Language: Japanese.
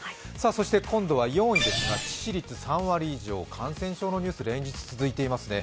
そして今度は４位になりますが致死率３割以上、感染症のニュース、連日続いていますね。